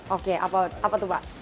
oke apa tuh pak